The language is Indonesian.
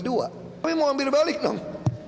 tapi mau ambil balik dong